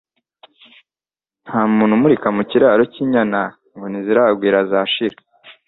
Nta mu ntu umurika mu kiraro cy’inyana, ngo ntizagwira zashira